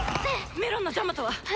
メロンのジャマトは！？